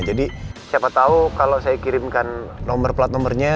jadi siapa tahu kalau saya kirimkan nomor plat nomornya